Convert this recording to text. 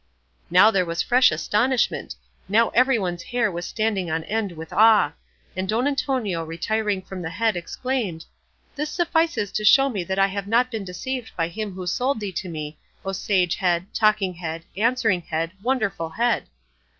Now there was fresh astonishment; now everyone's hair was standing on end with awe; and Don Antonio retiring from the head exclaimed, "This suffices to show me that I have not been deceived by him who sold thee to me, O sage head, talking head, answering head, wonderful head!